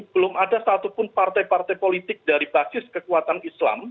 belum ada satupun partai partai politik dari basis kekuatan islam